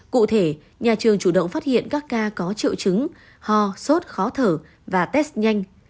cụ thể nhà trường chủ động phát hiện các ca có triệu chứng ho sốt khó thở và test nhanh